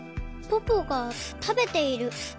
ポポがたべている。